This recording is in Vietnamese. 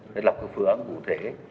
để lập phương án cụ thể